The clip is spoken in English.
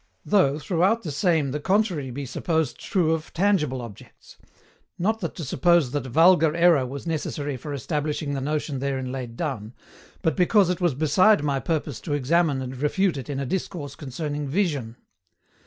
Though throughout the same the contrary be supposed true of tangible objects not that to suppose that vulgar error was necessary for establishing the notion therein laid down, but because it was beside my purpose to examine and refute it in a discourse concerning VISION.